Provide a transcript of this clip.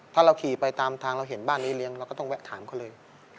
ถ้าเราขี่ไปตามทางเราเห็นบ้านนี้เลี้ยงเราก็ต้องแวะถามเขาเลย